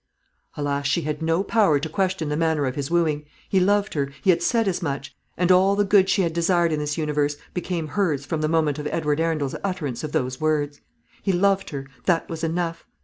Alas! she had no power to question the manner of his wooing. He loved her he had said as much; and all the good she had desired in this universe became hers from the moment of Edward Arundel's utterance of those words. He loved her; that was enough.